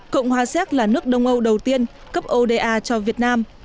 cộng hòa xéc là nước đông âu đầu tiên cấp oda cho việt nam